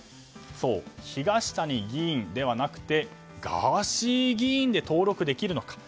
東谷議員ではなくてガーシー議員で登録できるのか。